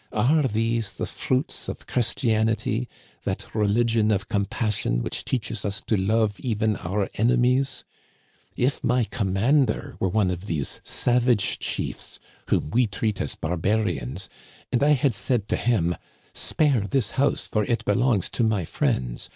Are these the fruits of Christianity, that religion of compassion which teaches us to love even our enemies ? If my commander were one of these savage chiefs, whom we treat as barbarians, and I had said to him :* Spare this house, for it belongs to my friends.